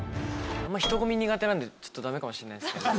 なんでちょっとダメかもしれないですけど。